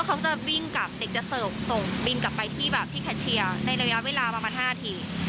เขาจะวิ่งกลับเด็กจะเสิร์ฟส่งบินกลับไปที่แบบที่แคชเชียร์ในระยะเวลาประมาณ๕ที